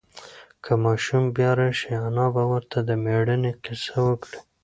که ماشوم بیا راشي، انا به ورته د مېړانې قصې وکړي.